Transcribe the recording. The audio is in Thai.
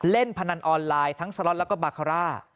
พนันออนไลน์ทั้งสล็อตแล้วก็บาคาร่า